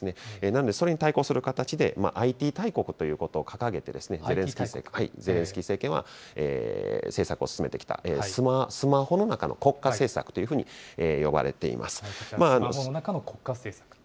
なんで、それに対抗する形で、ＩＴ大国ということを掲げて、ゼレンスキー政権は政策を進めてきた、スマホの中の国家政策というふうスマホの中の国家政策。